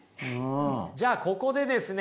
じゃあここでですね